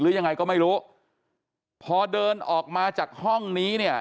ยังไงก็ไม่รู้พอเดินออกมาจากห้องนี้เนี่ย